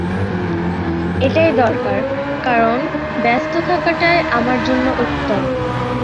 এটাই দরকার, কারন ব্যস্ত থাকাটাই আমার জন্য উত্তম।